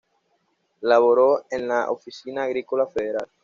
Laboró el la Oficina Agrícola Federal.